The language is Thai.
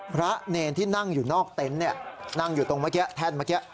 พระเนรที่นั่งอยู่นอกเต็นต์นั่งอยู่ตรงเมื่อกี้แท่นเมื่อกี้